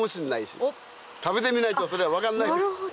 食べてみないとそれは分かんない。